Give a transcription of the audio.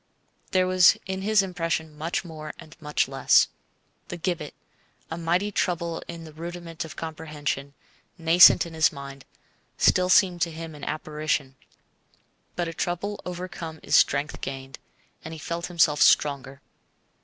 There was in his impression much more and much less. The gibbet, a mighty trouble in the rudiment of comprehension, nascent in his mind, still seemed to him an apparition; but a trouble overcome is strength gained, and he felt himself stronger.